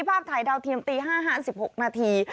ภาพถ่ายดาวเทียมตี๕๕๖นาที